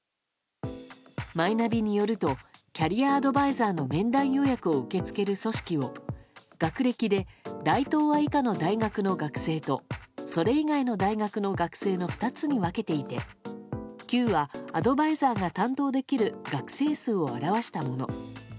マイナビによるとキャリアアドバイザーの面談予約を受け付ける組織を学歴で大東亜以下の大学の学生とそれ以外の大学の学生の２つに分けていて９は、アドバイザーが担当できる学生数を表したもの。